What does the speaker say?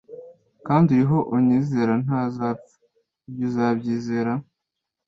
Kandi uriho anyizera ntazapfa. lbyo urabyizera?»